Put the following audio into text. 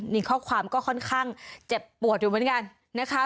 นี่ข้อความก็ค่อนข้างเจ็บปวดอยู่เหมือนกันนะคะ